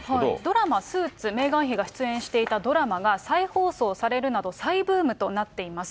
ドラマ、スーツ、メーガン妃が出演していたドラマが再放送されるなど、再ブームとなっています。